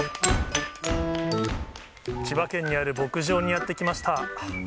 千葉県にある牧場にやって来ました。